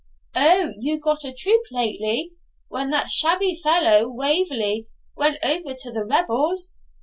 'O, you got a troop lately, when that shabby fellow, Waverley, went over to the rebels?